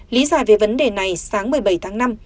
lý giải về vấn đề này sáng một mươi bảy tháng năm